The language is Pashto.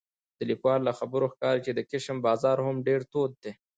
د لیکوال له خبرو ښکاري چې د کشم بازار هم ډېر تود دی